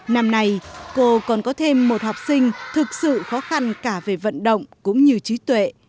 năm nay cô còn có thêm một học sinh thực sự khó khăn cả về vận động cũng như trí tuệ